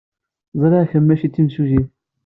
Ẓriɣ kemm maci d timsujjit.